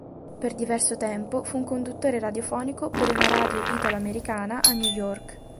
Per diverso tempo fu un conduttore radiofonico per una radio italoamericana a New York.